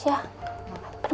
mas al pergi